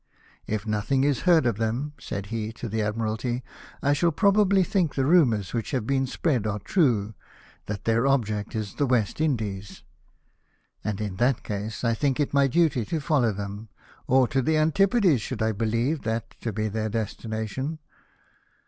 " If nothing is heard of them," said he to the Admiralty, " I shall probably think the rumours which have been spread are true, that their object is the West Indies ; and in 288 LIFE OF NELiiON. that case I think it my duty to follow them — or to the Antipodes should I believe that to be their destination."